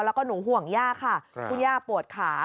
แล้วก็หนูห่วงย่าค่ะคุณย่าปวดขา